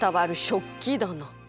食器だな。